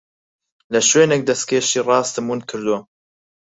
لە شوێنێک دەستکێشی ڕاستم ون کردووە.